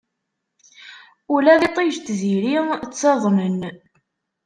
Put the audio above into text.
Ula d iṭij d tziri ttaḍnen.